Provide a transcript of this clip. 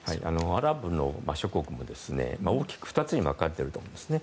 アラブ諸国も、大きく２つに分かれているんですね。